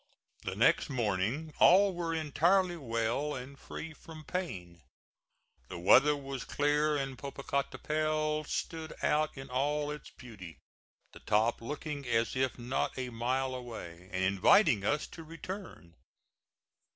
The next morning all were entirely well and free from pain. The weather was clear and Popocatapetl stood out in all its beauty, the top looking as if not a mile away, and inviting us to return.